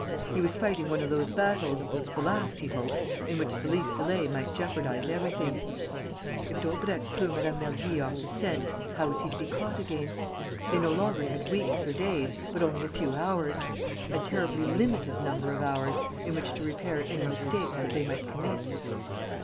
He was fighting one of those battles the last, he hoped in which the least delay might jeopardize everything. If Daubrecq threw Mme. Mergy off the scent, how was he to be caught again? They no longer had weeks or days, but only a few hours, a terribly limited number of hours, in which to repair any mistakes that they might commit.